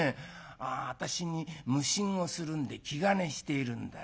私に無心をするんで気兼ねしているんだねぇ。